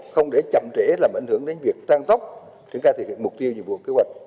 không để chậm trễ làm ảnh hưởng đến việc tăng tốc triển khai thực hiện mục tiêu nhiệm vụ kế hoạch